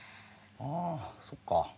あそっか。